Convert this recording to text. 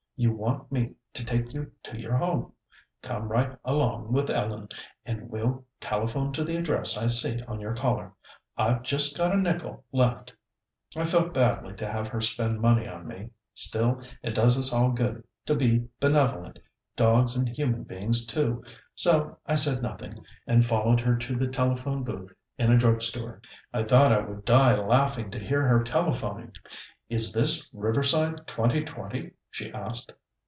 You want me to take you to your home. Come right along with Ellen, and we'll telephone to the address I see on your collar. I've just got a nickel left." I felt badly to have her spend money on me, still it does us all good to be benevolent dogs and human beings too so I said nothing, and followed her to the telephone booth in a drug store. I thought I would die laughing to hear her telephoning. "Is this Riverside twenty twenty?" she asked.